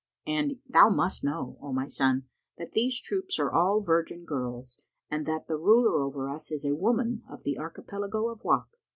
And thou must know, O my son, that these troops are all virgin girls, and that the ruler over us is a woman of the Archipelago of Wak.